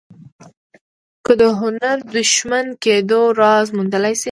که د هنري فورډ د شتمن کېدو راز موندلای شئ.